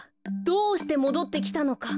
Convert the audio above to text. どうしてもどってきたのか。